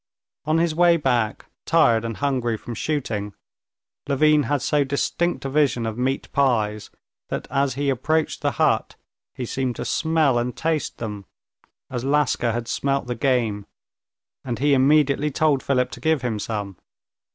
On his way back, tired and hungry from shooting, Levin had so distinct a vision of meat pies that as he approached the hut he seemed to smell and taste them, as Laska had smelt the game, and he immediately told Philip to give him some.